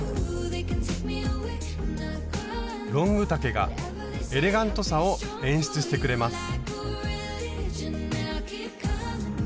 ロング丈がエレガントさを演出してくれます。